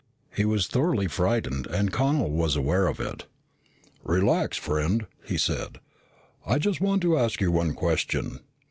He was thoroughly frightened and Connel was aware of it. "Relax, friend," he said. "I just want to ask you one question."